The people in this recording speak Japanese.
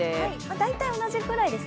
大体同じくらいです。